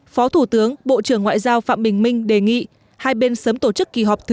phó thủ tướng bộ trưởng ngoại giao phạm bình minh đề nghị hai bên sớm tổ chức kỳ họp thứ bảy